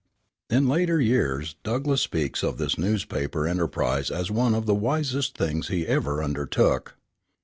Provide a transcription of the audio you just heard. In later years Douglass speaks of this newspaper enterprise as one of the wisest things he ever undertook.